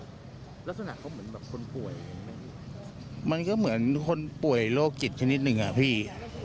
ลักษณะเขาเหมือนแบบคนป่วยมันก็เหมือนคนป่วยโรคจิตชนิดหนึ่งอ่ะพี่